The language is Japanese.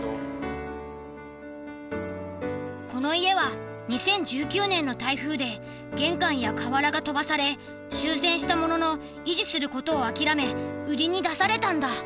この家は２０１９年の台風で玄関や瓦が飛ばされ修繕したものの維持することを諦め売りに出されたんだ。